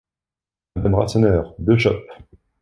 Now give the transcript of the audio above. Madame Rasseneur, deux chopes !